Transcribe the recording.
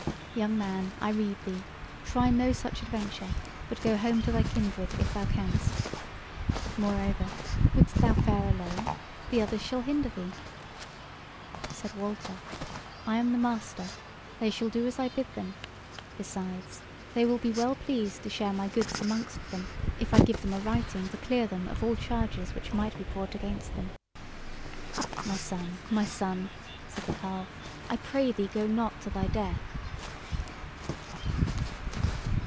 Young man, I rede thee, try no such adventure; but go home to thy kindred if thou canst. Moreover, wouldst thou fare alone? The others shall hinder thee." Said Walter: "I am the master; they shall do as I bid them: besides, they will be well pleased to share my goods amongst them if I give them a writing to clear them of all charges which might be brought against them." "My son! my son!" said the carle, "I pray thee go not to thy death!"